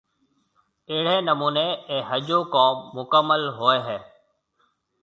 اھڙي نموني اي ۿجو ڪوم مڪمل ھوئي ھيَََ